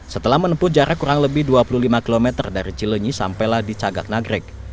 setelah menempuh jarak kurang lebih dua puluh lima km dari cilenyi sampelah di cagat nagrek